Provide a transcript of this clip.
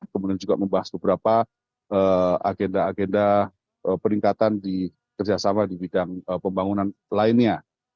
kemudian juga membahas beberapa agenda agenda peningkatan di kerjasama di bidang pembangunan lainnya